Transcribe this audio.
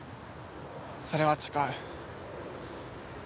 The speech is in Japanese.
それは誓う。